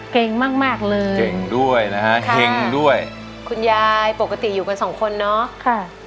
เก่งมากมากเลยเก่งด้วยนะฮะเก่งด้วยคุณยายปกติอยู่กันสองคนเนาะค่ะ